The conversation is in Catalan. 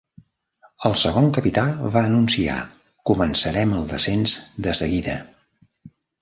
El segon capità va anunciar: "Començarem el descens de seguida".